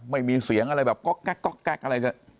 ไม่มีเสียงอะไรแบบก็กยังไง